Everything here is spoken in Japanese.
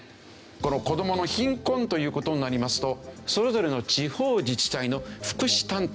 この子どもの貧困という事になりますとそれぞれの地方自治体の福祉担当